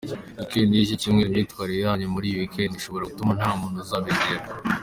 Weekend y’iki cyumweru, imyitwarire yanyu muri iyi weekend ishobora gutuma nta muntu uzabegera.